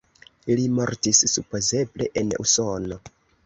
Li mortis supozeble en Usono.